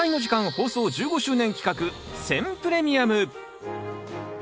放送１５周年企画選プレミアム。